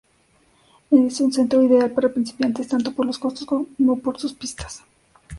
Es un centro ideal para principiantes, tanto por los costos como por sus pistas.